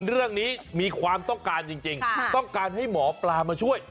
เรื่องนี้มีความต้องการจริงต้องการให้หมอปลามาช่วย